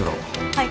はい。